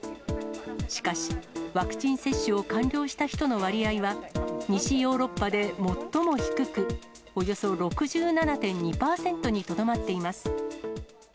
しかし、ワクチン接種を完了した人の割合は、西ヨーロッパで最も低く、およそ６７．２％にとどまっています。